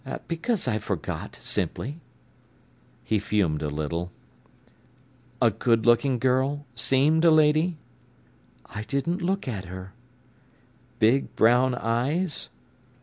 "Because I forgot, simply." He fumed a little. "A good looking girl—seemed a lady?" "I didn't look at her." "Big brown eyes?"